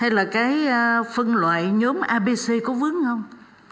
hay là cái phân loại nhóm abc có vướng không